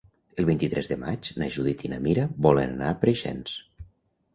El vint-i-tres de maig na Judit i na Mira volen anar a Preixens.